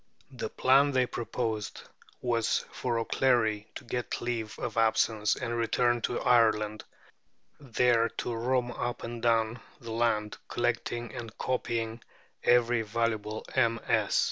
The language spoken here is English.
The plan they proposed was for O'Clery to get leave of absence and return to Ireland, there to roam up and down the land, collecting and copying every valuable MS.